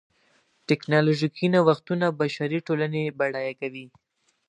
ټکنالوژیکي نوښتونه بشري ټولنې بډایه کوي.